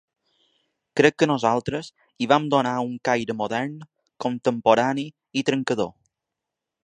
Crec que nosaltres hi vam donar un caire modern, contemporani i trencador.